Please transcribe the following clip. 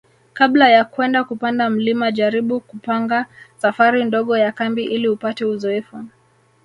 Kabla ya kwenda kupanda mlima jaribu kupanga safari ndogo ya kambi ili upate uzoefu